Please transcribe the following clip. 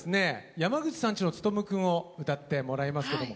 「山口さんちのツトム君」を歌ってもらいますけども。